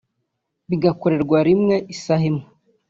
bigakorerwa rimwe isaha imwe